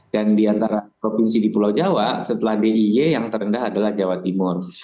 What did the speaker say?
dan di antara provinsi di pulau jawa setelah diy yang terendah adalah jawa timur